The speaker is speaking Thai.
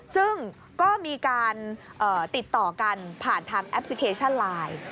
ซึ่งก็มีการติดต่อกันผ่านทางแอปพลิเคชันไลน์